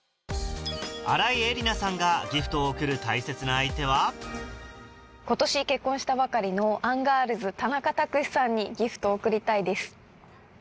新井恵理那さんがギフトを贈る大切な相手は今年結婚したばかりのアンガールズ・田中卓志さんにギフトを贈りたいです。